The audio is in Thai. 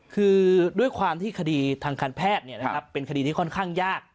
คือด้วยความที่คดีทางการแพทย์เป็นคดีที่ค่อนข้างยาก